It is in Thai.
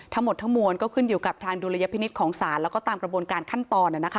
ทั้งหมดทั้งมวลก็ขึ้นอยู่กับทางดุลยพินิษฐ์ของศาลแล้วก็ตามกระบวนการขั้นตอน